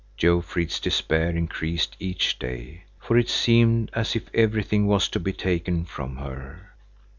Jofrid's despair increased each day, for it seemed as if everything was to be taken from her.